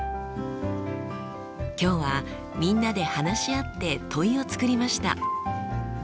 今日はみんなで話し合って問いを作りました。